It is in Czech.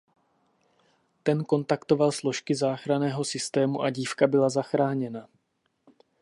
Ten kontaktoval složky záchranného systému a dívka byla zachráněna.